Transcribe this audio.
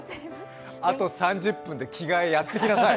あと３０分で着替えやってきなさい！